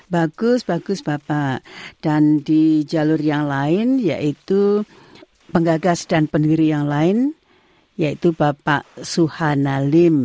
bagus bagus bapak dan di jalur yang lain yaitu penggagas dan pendiri yang lain yaitu bapak suhanalim